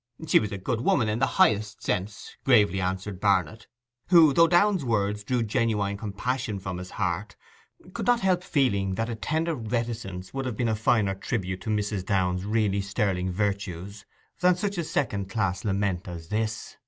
'She was a good woman in the highest sense,' gravely answered Barnet, who, though Downe's words drew genuine compassion from his heart, could not help feeling that a tender reticence would have been a finer tribute to Mrs. Downe's really sterling virtues than such a second class lament as this.